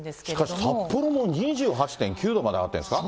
しかし札幌も２８．９度まで上がってるんですか。